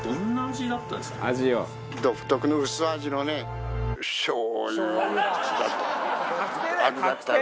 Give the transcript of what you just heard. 独特の薄味のねしょうゆ味だったと思いますが。